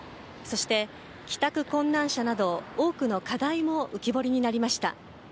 そして、帰宅困難者など多くの課題も浮き彫りになりました。